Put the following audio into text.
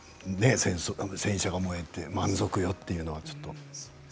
戦車が燃えて満足よというのは、ちょっと。